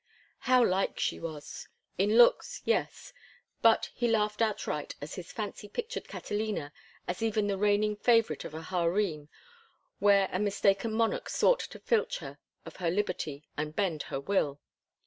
How like she was! In looks, yes; but he laughed outright as his fancy pictured Catalina as even the reigning favorite of a harem where a mistaken monarch sought to filch her of her liberty and bend her will.